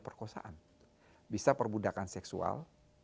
perkosaan bisa perbudakan seksual